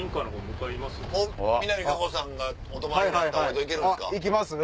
南果歩さんがお泊まりになったお宿行けるんすか？